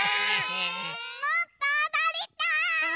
もっとおどりたい！